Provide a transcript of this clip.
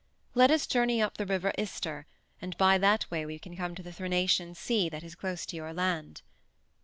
Let us journey up the River Ister, and by that way we can come to the Thrinacian Sea that is close to your land."